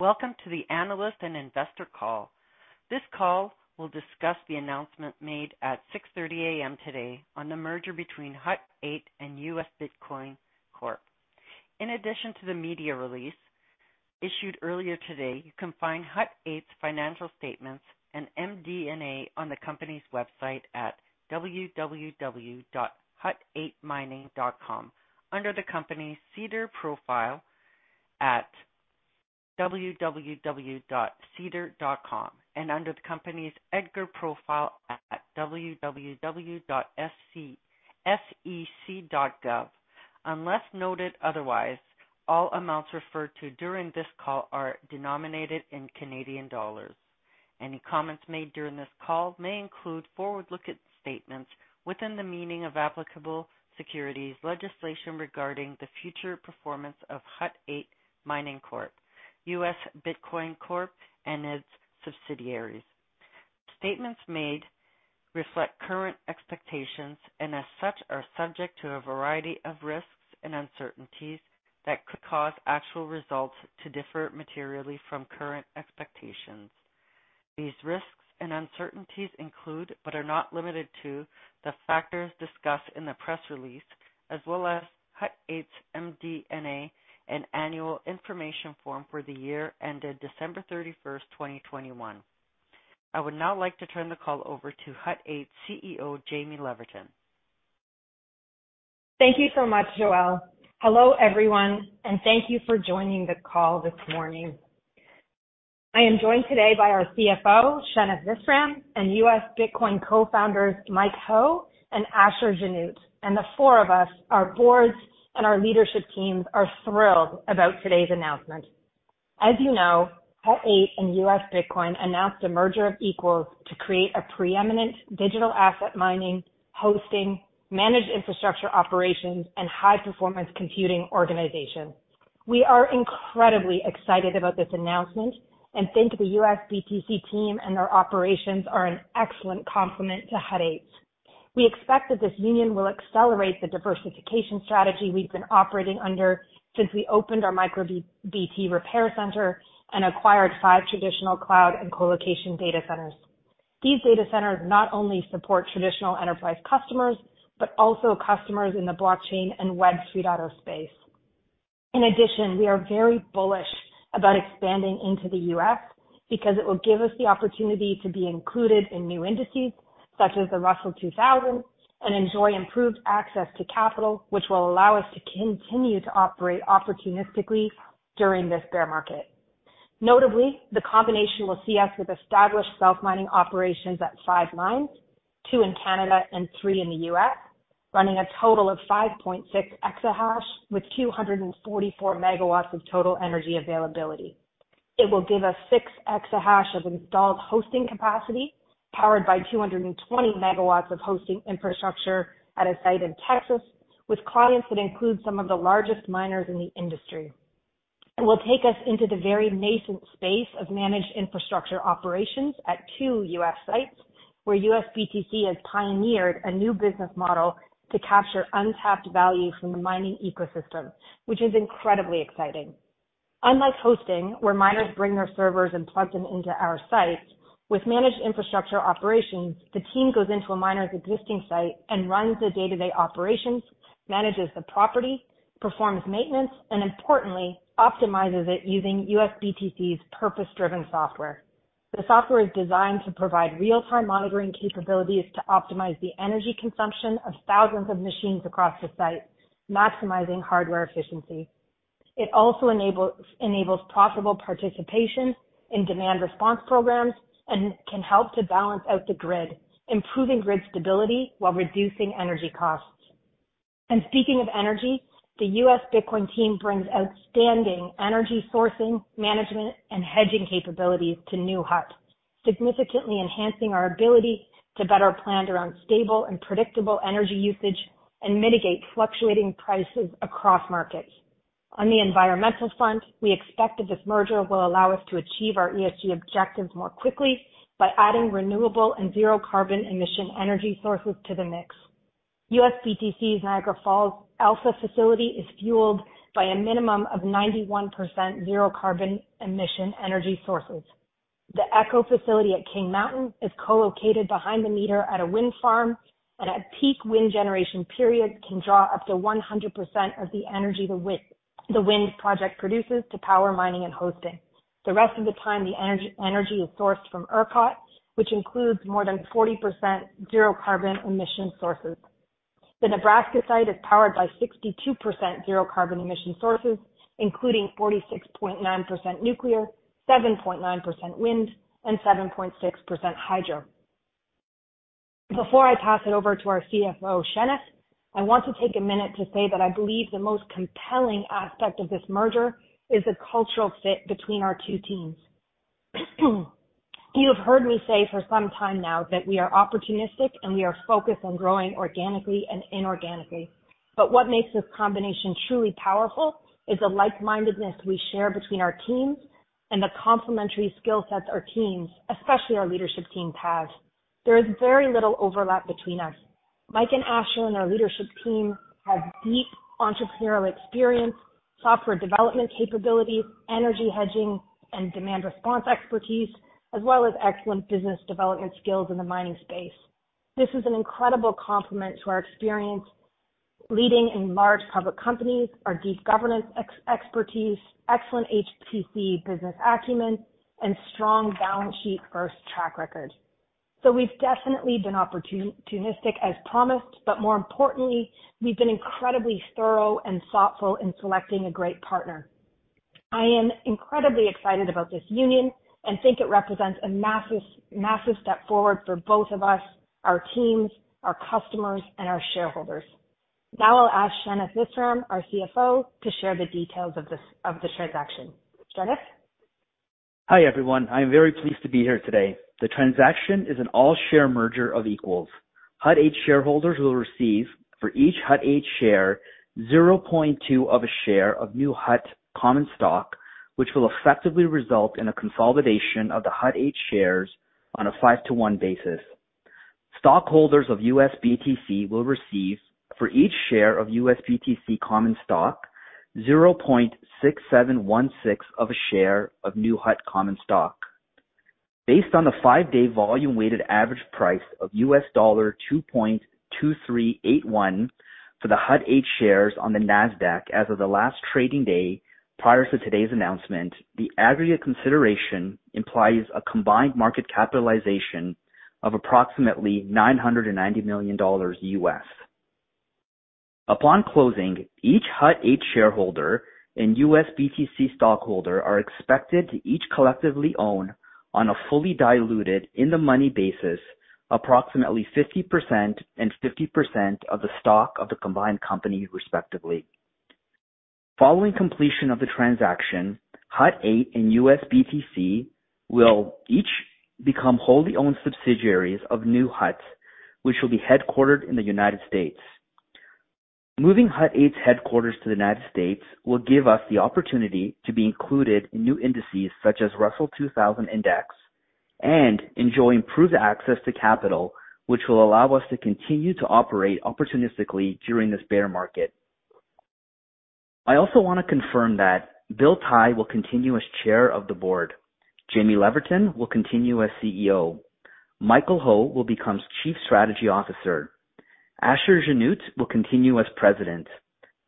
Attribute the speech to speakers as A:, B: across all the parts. A: Welcome to the analyst and investor call. This call will discuss the announcement made at 6:30 A.M. today on the merger between Hut 8 and US Bitcoin Corp. In addition to the media release issued earlier today, you can find Hut 8's financial statements and MD&A on the company's website at www.hut8mining.com, under the company's SEDAR profile at www.sedar.com and under the company's EDGAR profile at www.sec.gov. Unless noted otherwise, all amounts referred to during this call are denominated in Canadian dollars. Any comments made during this call may include forward-looking statements within the meaning of applicable securities legislation regarding the future performance of Hut 8 Mining Corp, US Bitcoin Corp, and its subsidiaries. Statements made reflect current expectations and as such, are subject to a variety of risks and uncertainties that could cause actual results to differ materially from current expectations. These risks and uncertainties include, but are not limited to the factors discussed in the press release as well as Hut 8's MD&A and annual information form for the year ended December thirty-first, 2021. I would now like to turn the call over to Hut 8 CEO, Jaime Leverton.
B: Thank you so much, Joel. Hello, everyone, thank you for joining the call this morning. I am joined today by our CFO, Shenif Visram, and US Bitcoin co-founders Mike Ho and Asher Genoot. The four of us, our boards, and our leadership teams are thrilled about today's announcement. As you know, Hut 8 and US Bitcoin announced a merger of equals to create a preeminent digital asset mining, hosting, managed infrastructure operations, and high-performance computing organization. We are incredibly excited about this announcement and think the USBTC team and their operations are an excellent complement to Hut 8's. We expect that this union will accelerate the diversification strategy we've been operating under since we opened our MicroBT repair center and acquired five traditional cloud and colocation data centers. These data centers not only support traditional enterprise customers, but also customers in the blockchain and Web 3.0 space. In addition, we are very bullish about expanding into the U.S. because it will give us the opportunity to be included in new indices such as the Russell 2000 and enjoy improved access to capital, which will allow us to continue to operate opportunistically during this bear market. Notably, the combination will see us with established self-mining operations at 5 mines, 2 in Canada and 3 in the U.S., running a total of 5.6 exahash with 244 MW of total energy availability. It will give us 6 exahash of installed hosting capacity, powered by 220 MW of hosting infrastructure at a site in Texas with clients that include some of the largest miners in the industry. It will take us into the very nascent space of managed infrastructure operations at two U.S. sites, where USBTC has pioneered a new business model to capture untapped value from the mining ecosystem, which is incredibly exciting. Unlike hosting, where miners bring their servers and plug them into our sites, with managed infrastructure operations, the team goes into a miner's existing site and runs the day-to-day operations, manages the property, performs maintenance, and importantly, optimizes it using USBTC's purpose-driven software. The software is designed to provide real-time monitoring capabilities to optimize the energy consumption of thousands of machines across the site, maximizing hardware efficiency. It also enables profitable participation in demand response programs and can help to balance out the grid, improving grid stability while reducing energy costs. Speaking of energy, the US Bitcoin team brings outstanding energy sourcing, management, and hedging capabilities to new Hut, significantly enhancing our ability to better plan around stable and predictable energy usage and mitigate fluctuating prices across markets. On the environmental front, we expect that this merger will allow us to achieve our ESG objectives more quickly by adding renewable and zero carbon emission energy sources to the mix. USBTC's Niagara Falls Alpha facility is fueled by a minimum of 91% zero carbon emission energy sources. The echo facility at King Mountain is co-located behind-the-meter at a wind farm, and at peak wind generation periods can draw up to 100% of the energy the wind project produces to power mining and hosting. The rest of the time, the energy is sourced from ERCOT, which includes more than 40% zero carbon emission sources. The Nebraska site is powered by 62% zero carbon emission sources, including 46.9% nuclear, 7.9% wind, and 7.6% hydro. Before I pass it over to our CFO, Shenif, I want to take a minute to say that I believe the most compelling aspect of this merger is the cultural fit between our two teams. You have heard me say for some time now that we are opportunistic and we are focused on growing organically and inorganically. But what makes this combination truly powerful is the like-mindedness we share between our teams and the complementary skill sets our teams, especially our leadership team, have. There is very little overlap between us.
C: Mike and Asher and our leadership team have deep entrepreneurial experience, software development capabilities, energy hedging and demand response expertise, as well as excellent business development skills in the mining space. This is an incredible complement to our experience leading in large public companies, our deep governance expertise, excellent HPC business acumen and strong balance sheet first track record. We've definitely been opportunistic as promised, but more importantly, we've been incredibly thorough and thoughtful in selecting a great partner. I am incredibly excited about this union and think it represents a massive step forward for both of us, our teams, our customers, and our shareholders. I'll ask Shenif Visram, our CFO, to share the details of the transaction. Shenif?
D: Hi, everyone. I'm very pleased to be here today. The transaction is an all-share merger of equals. Hut 8 shareholders will receive for each Hut 8 share, 0.2 of a share of new Hut common stock, which will effectively result in a consolidation of the Hut 8 shares on a 5-to-1 basis. Stockholders of USBTC will receive for each share of USBTC common stock, 0.6716 of a share of new Hut common stock. Based on the 5-day volume weighted average price of $2.2381 for the Hut 8 shares on the Nasdaq as of the last trading day prior to today's announcement, the aggregate consideration implies a combined market capitalization of approximately $990 million. Upon closing, each Hut 8 shareholder and USBTC stockholder are expected to each collectively own on a fully diluted in the money basis approximately 50% and 50% of the stock of the combined company, respectively. Following completion of the transaction, Hut 8 and USBTC will each become wholly owned subsidiaries of New Hut, which will be headquartered in the United States. Moving Hut 8's headquarters to the United States will give us the opportunity to be included in new indices such as Russell 2000 index and enjoy improved access to capital, which will allow us to continue to operate opportunistically during this bear market. I also want to confirm that Bill Tai will continue as Chair of the Board. Jaime Leverton will continue as CEO. Michael Ho will become Chief Strategy Officer. Asher Genoot will continue as President.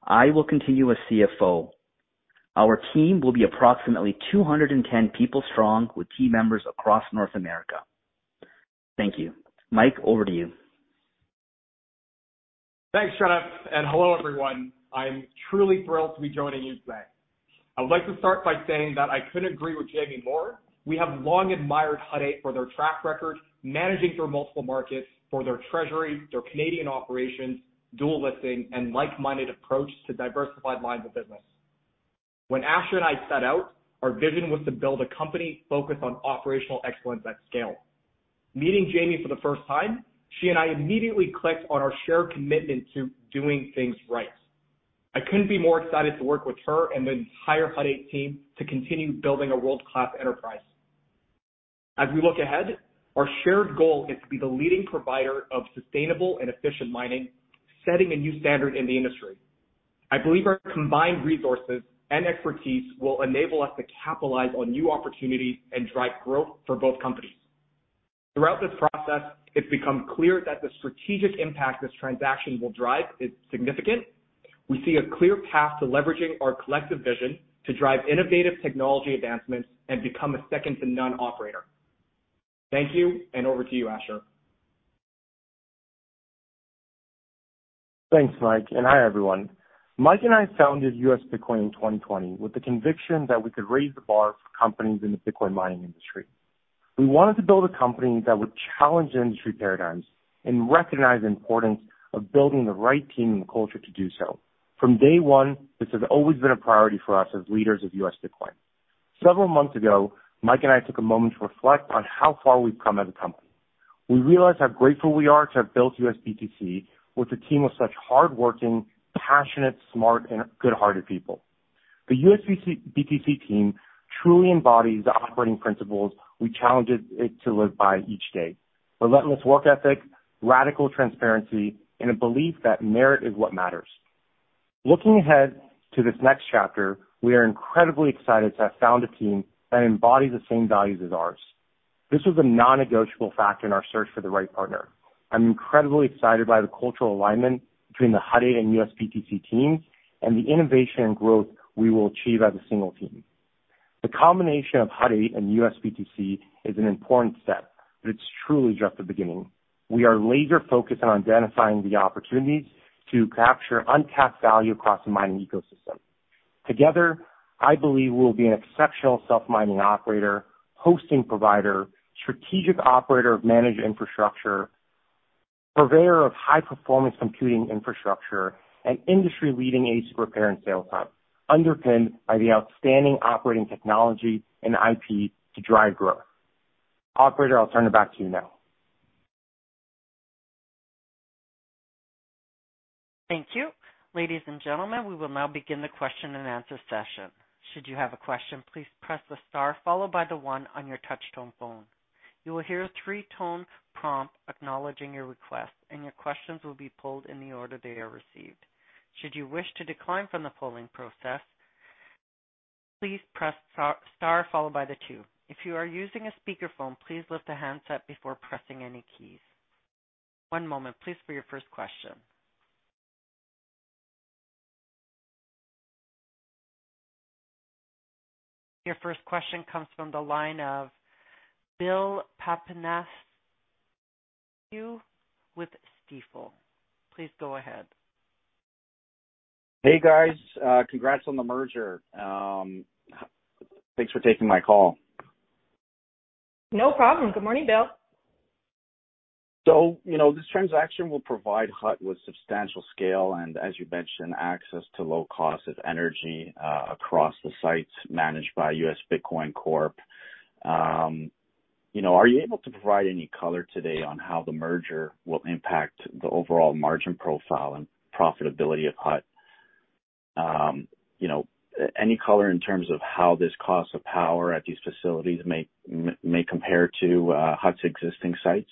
D: I will continue as CFO. Our team will be approximately 210 people strong with key members across North America. Thank you. Mike, over to you.
E: Thanks, Shenif. Hello, everyone. I'm truly thrilled to be joining you today. I'd like to start by saying that I couldn't agree with Jaime more. We have long admired Hut 8 for their track record, managing through multiple markets for their treasury, their Canadian operations, dual listing and like-minded approach to diversified lines of business. When Asher and I set out, our vision was to build a company focused on operational excellence at scale. Meeting Jaime for the first time, she and I immediately clicked on our shared commitment to doing things right. I couldn't be more excited to work with her and the entire Hut 8 team to continue building a world-class enterprise. As we look ahead, our shared goal is to be the leading provider of sustainable and efficient mining, setting a new standard in the industry. I believe our combined resources and expertise will enable us to capitalize on new opportunities and drive growth for both companies. Throughout this process, it's become clear that the strategic impact this transaction will drive is significant. We see a clear path to leveraging our collective vision to drive innovative technology advancements and become a second to none operator. Thank you. Over to you, Asher.
C: Thanks, Mike, and hi, everyone. Mike and I founded US Bitcoin in 2020 with the conviction that we could raise the bar for companies in the Bitcoin mining industry. We wanted to build a company that would challenge industry paradigms and recognize the importance of building the right team and culture to do so. From day one, this has always been a priority for us as leaders of US Bitcoin. Several months ago, Mike and I took a moment to reflect on how far we've come as a company. We realized how grateful we are to have built USBTC with a team of such hardworking, passionate, smart, and good-hearted people. The USBTC team truly embodies the operating principles we challenge it to live by each day. Relentless work ethic, radical transparency, and a belief that merit is what matters. Looking ahead to this next chapter, we are incredibly excited to have found a team that embodies the same values as ours. This was a non-negotiable factor in our search for the right partner. I'm incredibly excited by the cultural alignment between the Hut 8 and USBTC teams and the innovation and growth we will achieve as a single team. The combination of Hut 8 and USBTC is an important step. It's truly just the beginning. We are laser-focused on identifying the opportunities to capture untapped value across the mining ecosystem. Together, I believe we'll be an exceptional self-mining operator, hosting provider, strategic operator of managed infrastructure, purveyor of high-performance computing infrastructure, and industry-leading Asia repair and sales hub, underpinned by the outstanding operating technology and IP to drive growth. Operator, I'll turn it back to you now.
A: Thank you. Ladies and gentlemen, we will now begin the question and answer session. Should you have a question, please press the star followed by the one on your touchtone phone. You will hear a three-tone prompt acknowledging your request, and your questions will be polled in the order they are received. Should you wish to decline from the polling process, please press star followed by the two. If you are using a speakerphone, please lift the handset before pressing any keys. One moment please for your first question. Your first question comes from the line of Bill Papanastasiou with Stifel. Please go ahead.
F: Hey guys, congrats on the merger. Thanks for taking my call.
B: No problem. Good morning, Bill.
F: You know, this transaction will provide Hut with substantial scale and as you mentioned, access to low cost of energy across the sites managed by US Bitcoin Corp. You know, are you able to provide any color today on how the merger will impact the overall margin profile and profitability of Hut? You know, any color in terms of how this cost of power at these facilities may compare to Hut's existing sites?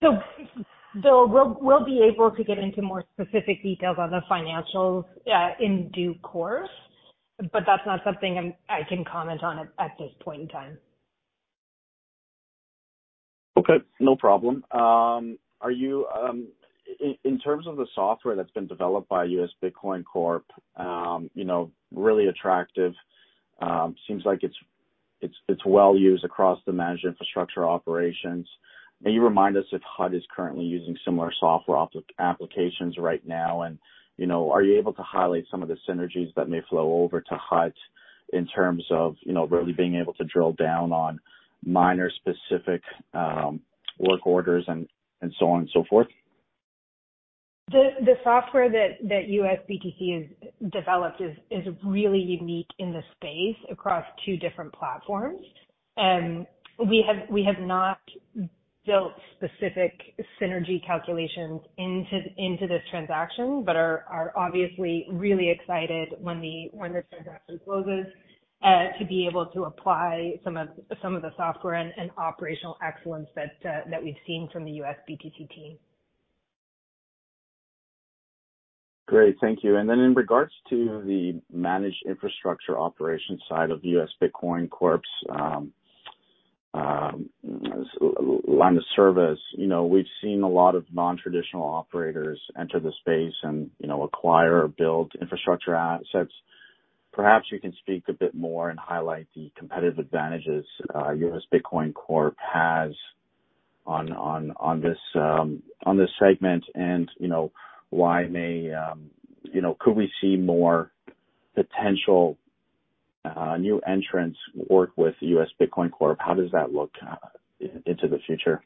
B: Bill, we'll be able to get into more specific details on the financials, in due course, but that's not something I can comment on at this point in time.
F: Okay. No problem. Are you in terms of the software that's been developed by US Bitcoin Corp, you know, really attractive. Seems like it's well used across the managed infrastructure operations. May you remind us if Hut is currently using similar software applications right now? You know, are you able to highlight some of the synergies that may flow over to Hut in terms of, you know, really being able to drill down on miner specific work orders and so on and so forth?
B: The software that USBTC has developed is really unique in the space across two different platforms. We have not built specific synergy calculations into this transaction, are obviously really excited when this transaction closes, to be able to apply some of the software and operational excellence that we've seen from the USBTC team.
F: Great. Thank you. In regards to the managed infrastructure operations side of US Bitcoin Corp's line of service, you know, we've seen a lot of non-traditional operators enter the space and, you know, acquire or build infrastructure assets. Perhaps you can speak a bit more and highlight the competitive advantages US Bitcoin Corp has on this segment. You know, why may, you know, could we see more potential new entrants work with US Bitcoin Corp? How does that look into the future?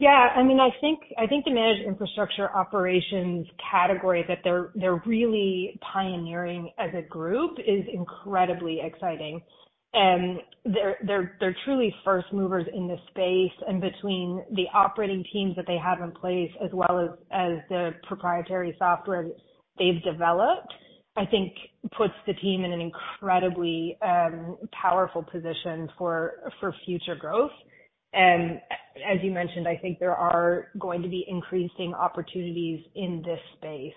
B: Yeah, I mean, I think the managed infrastructure operations category that they're really pioneering as a group is incredibly exciting. They're truly first movers in this space. Between the operating teams that they have in place as well as their proprietary software that they've developed, I think puts the team in an incredibly powerful position for future growth. As you mentioned, I think there are going to be increasing opportunities in this space.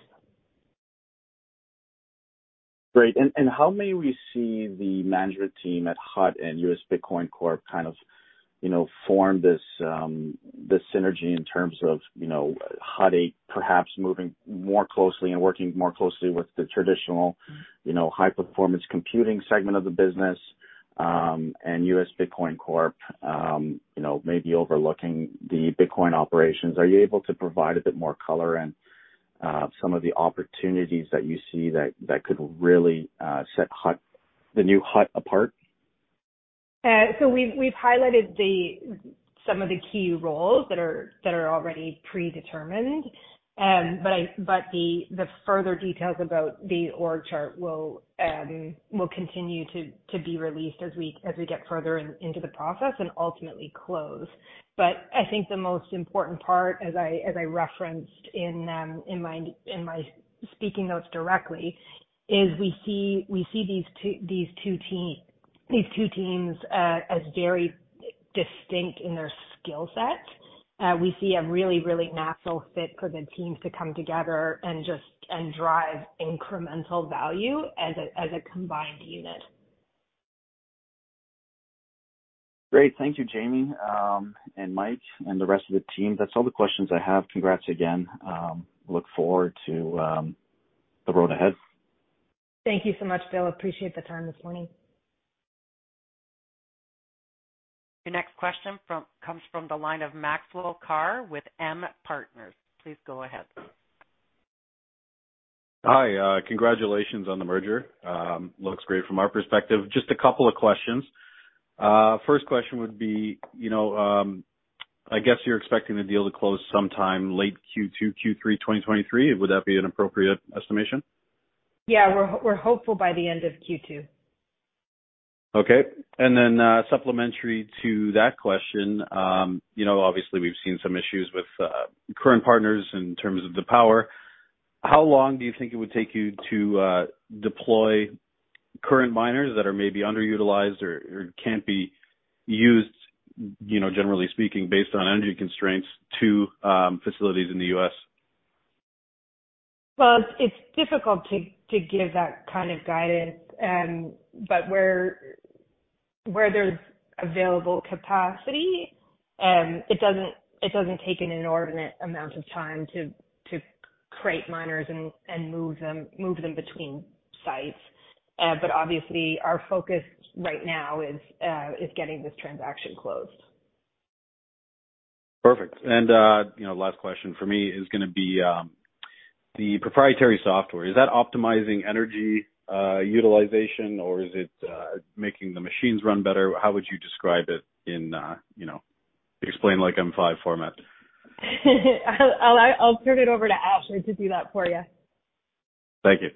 F: Great. How may we see the management team at Hut 8 and US Bitcoin Corp kind of, you know, form this synergy in terms of, you know, Hut 8 perhaps moving more closely and working more closely with the traditional, you know, high-performance computing segment of the business, and US Bitcoin Corp, you know, maybe overlooking the Bitcoin operations. Are you able to provide a bit more color on some of the opportunities that you see that could really set Hut 8, the new Hut 8 apart?
B: We've highlighted the, some of the key roles that are already predetermined. The further details about the org chart will continue to be released as we get further into the process and ultimately close. I think the most important part, as I referenced in my speaking notes directly, is we see these two teams as very distinct in their skill set. We see a really natural fit for the teams to come together and just drive incremental value as a combined unit.
F: Great. Thank you, Jaime, and Mike and the rest of the team. That's all the questions I have. Congrats again. Look forward to the road ahead.
B: Thank you so much, Bill. Appreciate the time this morning.
A: Your next question comes from the line of Maxwell Carr with M Partners. Please go ahead.
G: Hi. Congratulations on the merger. Looks great from our perspective. Just a couple of questions. First question would be, you know, I guess you're expecting the deal to close sometime late Q2, Q3, 2023. Would that be an appropriate estimation?
B: Yeah. We're hopeful by the end of Q2.
G: Okay. Then, supplementary to that question, you know, obviously we've seen some issues with, current partners in terms of the power. How long do you think it would take you to, deploy current miners that are maybe underutilized or can't be used, you know, generally speaking, based on energy constraints to, facilities in the US?
B: Well, it's difficult to give that kind of guidance. Where there's available capacity, it doesn't take an inordinate amount of time to create miners and move them between sites. Obviously our focus right now is getting this transaction closed.
G: Perfect. you know, last question for me is gonna be, the proprietary software. Is that optimizing energy utilization, or is it making the machines run better? How would you describe it in, you know, explain like I'm five format?
B: I'll turn it over to Asher to do that for you.
G: Thank you.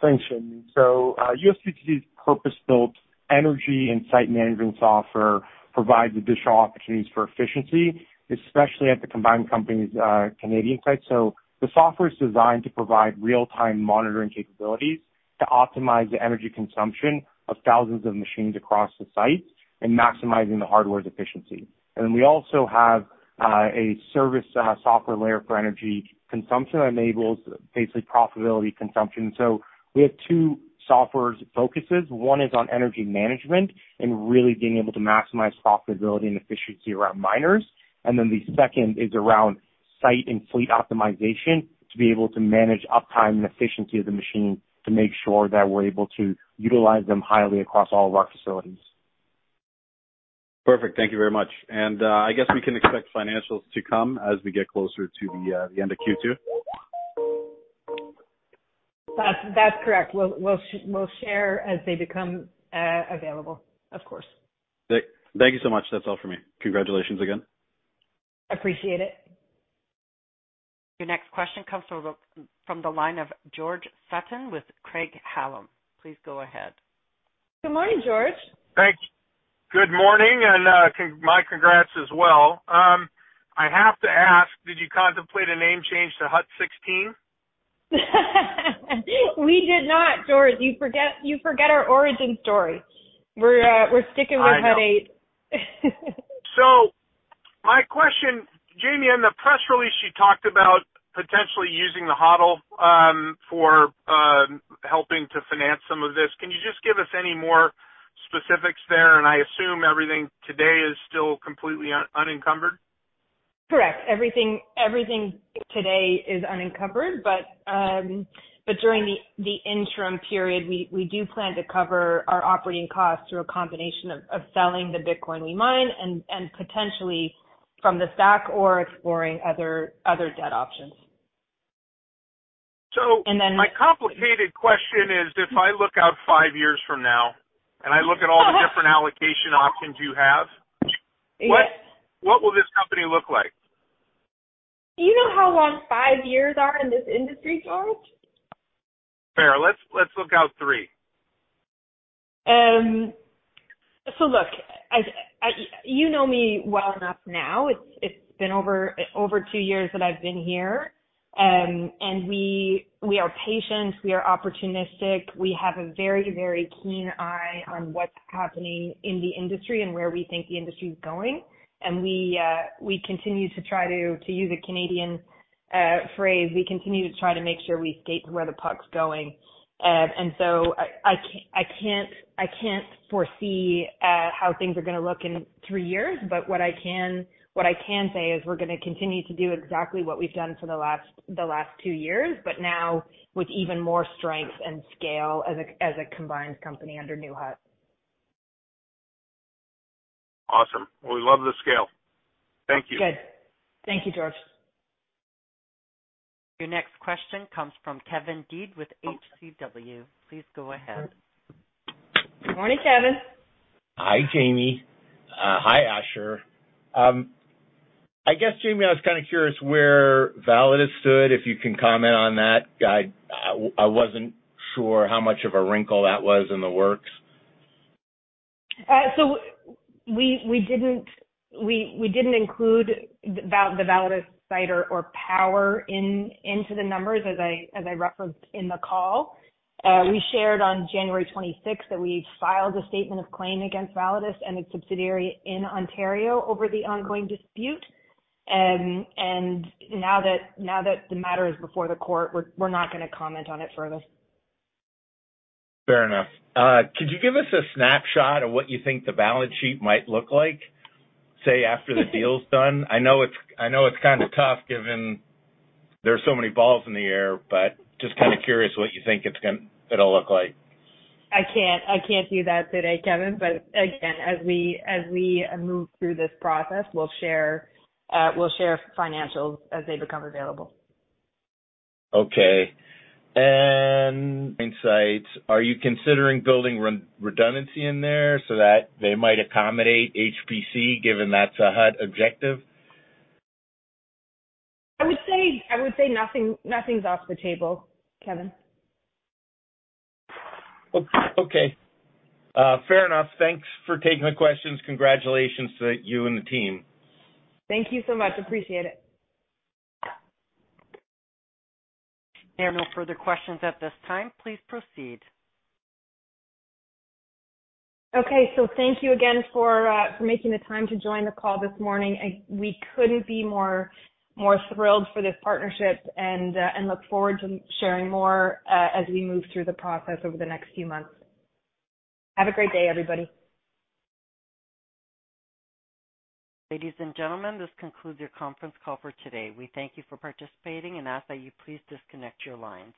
C: Thanks, Jaime. USBTC's purpose-built energy and site management software provides additional opportunities for efficiency, especially at the combined company's Canadian sites. The software is designed to provide real-time monitoring capabilities to optimize the energy consumption of thousands of machines across the sites and maximizing the hardware's efficiency. We also have a service software layer for energy consumption that enables basically profitability consumption. We have two software's focuses. One is on energy management and really being able to maximize profitability and efficiency around miners. The second is around site and fleet optimization, to be able to manage uptime and efficiency of the machine to make sure that we're able to utilize them highly across all of our facilities.
G: Perfect. Thank you very much. I guess we can expect financials to come as we get closer to the end of Q2.
B: That's correct. We'll share as they become available, of course.
G: Thank you so much. That's all for me. Congratulations again.
B: Appreciate it.
A: Your next question comes from the line of George Sutton with Craig-Hallum. Please go ahead.
B: Good morning, George.
H: Thanks. Good morning, and my congrats as well. I have to ask, did you contemplate a name change to Hut 16?
B: We did not, George. You forget our origin story. We're sticking with Hut 8.
H: My question, Jaime, in the press release, you talked about potentially using the HODL for helping to finance some of this. Can you just give us any more specifics there? And I assume everything today is still completely unencumbered.
B: Correct. Everything today is unencumbered. During the interim period, we do plan to cover our operating costs through a combination of selling the Bitcoin we mine and potentially from the stock or exploring other debt options.
H: So-
B: And then-
H: My complicated question is, if I look out five years from now and I look at all the different allocation options you have.
B: Yes.
H: What will this company look like?
B: Do you know how long five years are in this industry, George?
H: Fair. Let's look out three.
B: Look, I, you know me well enough now. It's been over 2 years that I've been here. We are patient, we are opportunistic. We have a very, very keen eye on what's happening in the industry and where we think the industry is going. We continue to try to use a Canadian phrase, we continue to try to make sure we skate where the puck's going. I can't foresee how things are gonna look in 3 years. What I can say is we're gonna continue to do exactly what we've done for the last 2 years, but now with even more strength and scale as a combined company under New Hut.
H: Awesome. We love the scale. Thank you.
B: Good. Thank you, George.
A: Your next question comes from Kevin Dede with HCW. Please go ahead.
B: Morning, Kevin.
C: Hi, Jaime. Hi, Asher. I guess, Jaime, I was kind of curious where Validus stood, if you can comment on that. I wasn't sure how much of a wrinkle that was in the works.
B: We didn't include the Validus site or power into the numbers as I referenced in the call. We shared on January 26 that we filed a statement of claim against Validus and its subsidiary in Ontario over the ongoing dispute. Now that the matter is before the court, we're not gonna comment on it further.
I: Fair enough. Could you give us a snapshot of what you think the balance sheet might look like, say, after the deal's done? I know it's kind of tough given there are so many balls in the air, but just kind of curious what you think it'll look like.
B: I can't do that today, Kevin. Again, as we move through this process, we'll share financials as they become available.
I: Okay. Insights, are you considering building re-redundancy in there so that they might accommodate HPC, given that's a Hut objective?
B: I would say nothing's off the table, Kevin.
C: Okay. fair enough. Thanks for taking the questions. Congratulations to you and the team.
B: Thank you so much. Appreciate it.
A: There are no further questions at this time. Please proceed.
B: Okay. Thank you again for for making the time to join the call this morning. We couldn't be more thrilled for this partnership and and look forward to sharing more as we move through the process over the next few months. Have a great day, everybody.
A: Ladies and gentlemen, this concludes your conference call for today. We thank you for participating and ask that you please disconnect your lines.